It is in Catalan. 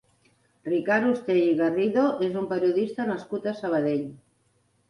Ricard Ustrell i Garrido és un periodista nascut a Sabadell.